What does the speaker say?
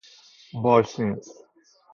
باشین